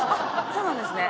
そうなんですね。